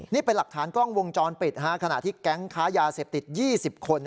นี่เป็นหลักฐานกล้องวงจรปิดขณะที่แก๊งค้ายาเสพติด๒๐คน